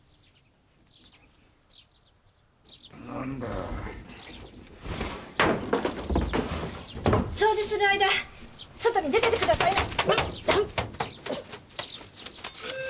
何だよ。掃除する間外に出てて下さいな。